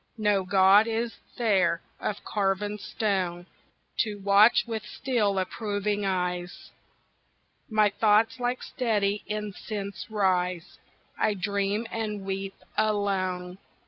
No god is there of carven stone To watch with still approving eyes My thoughts like steady incense rise; I dream and weep alone.